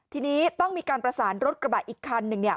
ทีนี้ต้องมีการประสานรถกระบะอีกคันหนึ่งเนี่ย